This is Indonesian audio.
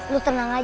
lo tenang aja ya